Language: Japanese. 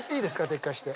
撤回して。